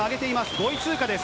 ５位通過です。